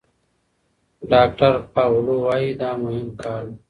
ډاکتر پاولو وايي دا مهم کار دی.